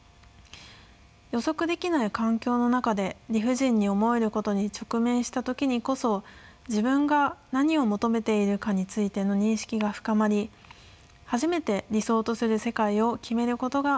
予測できない環境の中で理不尽に思えることに直面した時にこそ自分が何を求めているかについての認識が深まり初めて理想とする世界を決めることができます。